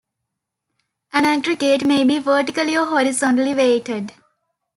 An aggregate may be vertically or horizontally weighted.